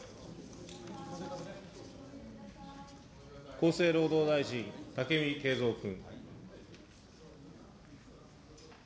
厚生労働大臣、武見敬三君。